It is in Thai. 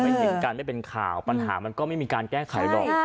เห็นกันไม่เป็นข่าวปัญหามันก็ไม่มีการแก้ไขหรอก